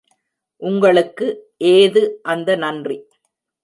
உங்களுக்கு ஏது அந்த நன்றி?